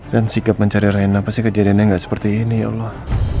dan sikap mencari reina pasti kejadiannya gak seperti ini ya allah